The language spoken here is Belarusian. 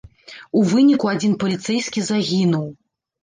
У выніку адзін паліцэйскі загінуў.